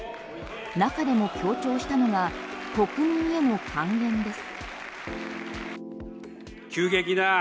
中でも強調したのが国民への還元です。